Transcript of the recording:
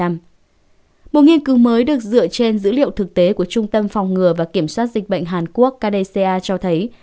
một nghiên cứu mới được dựa trên dữ liệu thực tế của trung tâm phòng ngừa và kiểm soát dịch bệnh hàn quốc kdca cho thấy